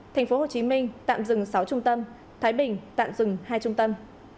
tp hcm tạm dừng sáu trung tâm thái bình tạm dừng hai trung tâm